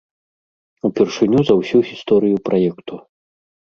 Упершыню за ўсю гісторыю праекту.